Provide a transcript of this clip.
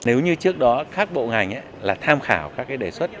nếu như trước đó các bộ ngành là tham khảo các đề xuất